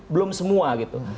belum semua gitu